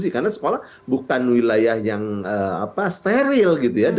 karena sekolah bukan wilayah yang steril